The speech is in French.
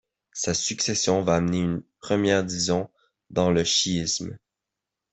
Sa succession va amener une première division dans le chiisme.